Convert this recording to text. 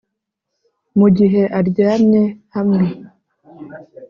mugihe aryamye hamwe.